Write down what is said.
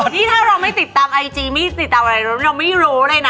นี่ถ้าเราไม่ติดตามไอจีไม่ติดตามอะไรเราไม่รู้เลยนะ